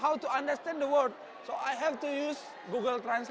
untuk belajar bahasa inggris